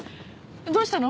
どうしたの？